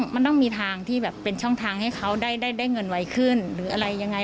มันต้องมีทางที่แบบเป็นช่องทางให้เขาได้เงินไวขึ้นหรืออะไรยังไง